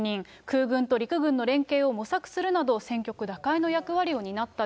空軍と陸軍の連携を模索するなど、これまでにも。